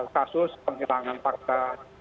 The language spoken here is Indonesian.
kasus penghilangan fakta